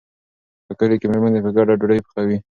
په کلي کې مېرمنې په ګډه ډوډۍ پخوي.